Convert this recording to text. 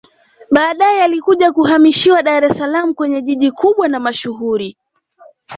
Baadae yalikuja kuhamishiwa Dar es salaam kwenye jiji kubwa na mashuhuri